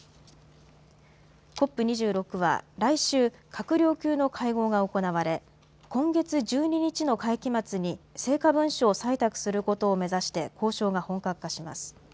ＣＯＰ２６は来週、閣僚級の会合が行われ今月１２日の会期末に成果文書を採択することを目指して交渉が本格化します。